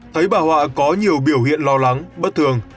thấy bà họa có nhiều biểu hiện lo lắng bất thường